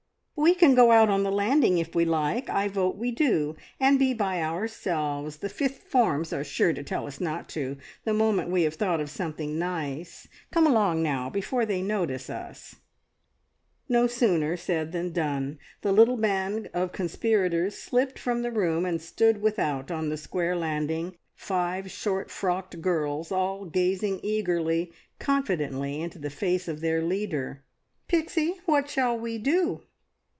"We can go out on the landing, if we like; I vote we do, and be by ourselves. The fifth forms are sure to tell us not to, the moment we have thought of something nice. Come along now, before they notice us!" No sooner said than done. The little band of conspirators slipped from the room, and stood without on the square landing, five short frocked girls all gazing eagerly, confidently, into the face of their leader. "Pixie, what shall we do?"